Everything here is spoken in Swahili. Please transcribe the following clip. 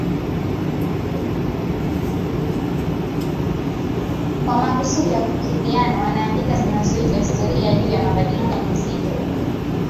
Kwa makusudi ya kukidhiana wanaandika zinazoitwa historia juu ya mabadiliko ya muziki